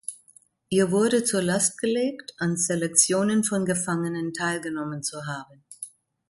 Ihr wurde zur Last gelegt, an Selektionen von Gefangenen teilgenommen zu haben.